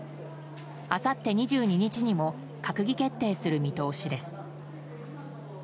あさって２２日にも閣議決定する見通しです。